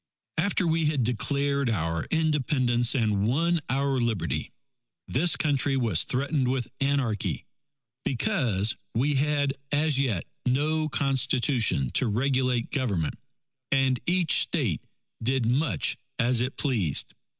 After we had declared our Independence and won our Liberty, this Country was threatened with anarchy because we had as yet no Constitution to regulate Government, and each State did much as it pleased.